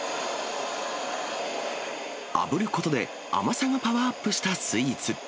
あぶることで甘さがパワーアップしたスイーツ。